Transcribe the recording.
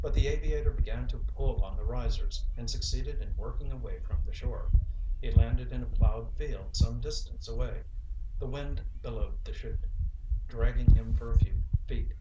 But the aviator began to pull on the risers, and succeeded in working away from the shore. He landed in a plowed field some distance away. The wind billowed the 'chute, dragging him for a few feet.